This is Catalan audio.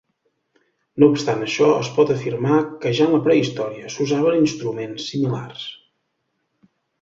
No obstant això, es pot afirmar que ja en la prehistòria s'usaven instruments similars.